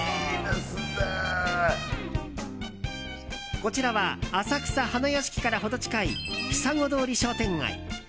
こちらは浅草花やしきから程近いひさご通り商店街。